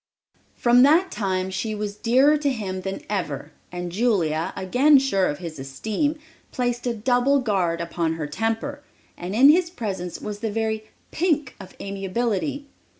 From that time she was dearer to him than ever and Julia, again sure of his esteem, placed a double guard upon her temper, and in his presence was the very "pink" of amiability!